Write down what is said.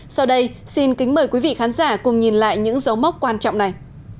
sau đây xin kính mời quý vị khán giả cùng nhìn lại những dấu mốc quan trọng này